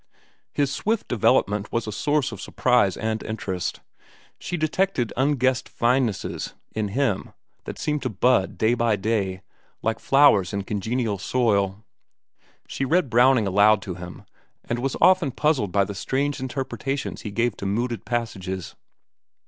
His swift development was a source of surprise and interest. She detected unguessed finenesses in him that seemed to bud, day by day, like flowers in congenial soil. She read Browning aloud to him, and was often puzzled by the strange interpretations he gave to mooted passages.